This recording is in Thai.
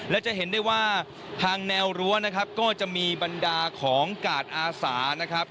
และจะเห็นได้ว่าทางแนวรั้วนะครับก็จะมีบรรดาของกาดอาสานะครับ